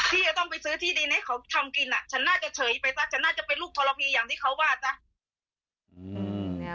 พี่จะต้องไปซื้อที่ดินให้เขาทำกินฉันน่าจะเฉยไปซะฉันน่าจะเป็นลูกทรพีอย่างที่เขาว่าจ๊ะ